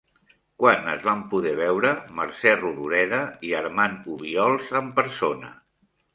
Quan es van poder veure Mercè Rodoreda i Armand Obiols en persona?